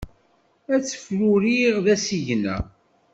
Ad fruriɣ d asigna.